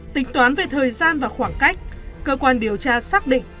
tính toán về thời gian và khoảng cách cơ quan điều tra xác định